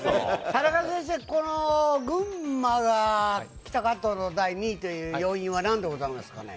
田中先生、群馬が北関東の第２位という要因はなんでございますかね。